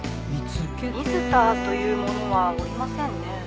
水田という者はおりませんね